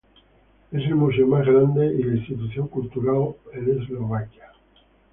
Es el museo más grande y la institución cultural en Eslovaquia.